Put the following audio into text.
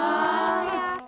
やった！